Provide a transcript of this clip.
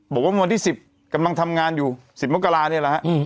บอกว่าวันที่สิบกำลังทำงานอยู่สิบเมื่อกรานี้แหละครับ